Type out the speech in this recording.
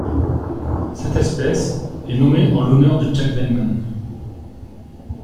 Cette espèce est nommée en l'honneur de Jack Venman.